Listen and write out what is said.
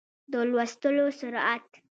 د لوستلو سرعت